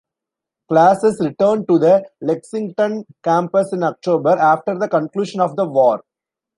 Classes returned to the Lexington campus in October, after the conclusion of the war.